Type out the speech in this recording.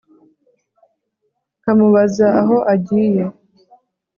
nkamubaza aho agiye